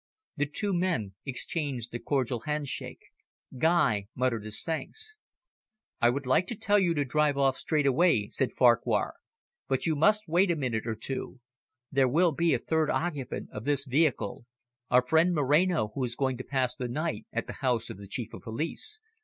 The two men exchanged a cordial handshake. Guy muttered his thanks. "I would like to tell you to drive off straight away," said Farquhar. "But you must wait a minute or two. There will be a third occupant of this vehicle our friend Moreno, who is going to pass the night at the house of the Chief of Police.